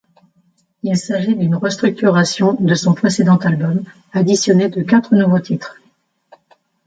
Il s'agit d'une restructuration de son précédent album additionnée de quatre nouveaux titres.